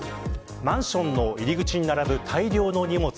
マンションの入り口に並ぶ大量の荷物